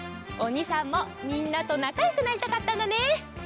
おにさんもみんなとなかよくなりたかったんだね。